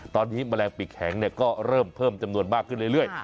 ตอนนี้แมลงปีกแข็งก็เริ่มเพิ่มจำนวนมากขึ้นเรื่อย